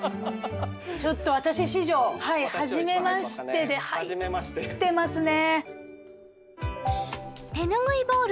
ちょっと私史上はい初めましてで入ってますね！